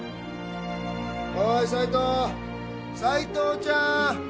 おーい斉藤斉藤ちゃーん